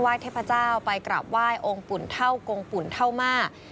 ้วาสเซ้นไว้เทพเจ้าไปกราบว่ายองค์ปุ่นเท่ากงปุ่นเท่ามา